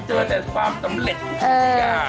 เจอแต่ความสำเร็จอุควิก